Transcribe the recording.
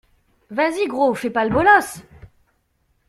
Vas-y gros, fais pas le boloss.